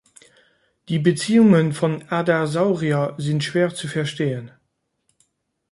Die Beziehungen von „Adasaurier“ sind schwer zu verstehen.